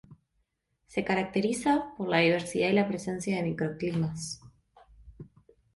Se caracteriza por la diversidad y la presencia de microclimas.